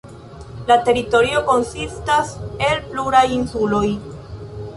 La teritorio konsistas el pluraj insuloj.